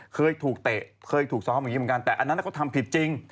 เคยถูกเตะเคยถูกซ่อมเหมือนกันแต่อันนั้นก็ทำผิดจริง